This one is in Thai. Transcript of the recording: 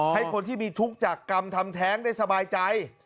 ให้คนที่มีทุกข์จากกรรมทำแท้งได้สบายใจ